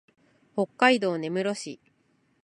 北海道根室市